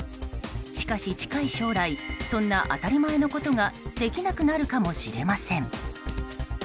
しかし、近い将来そんな当たり前のことができなくなるかもしれません。